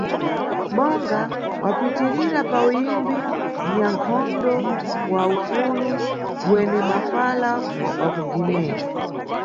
Bonga wapitirira pa uyimbi, nʼnyankhondo wa ufulu - mwene mafala wa ku Guiné.